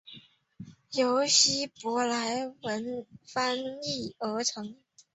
由希伯来文翻译而成。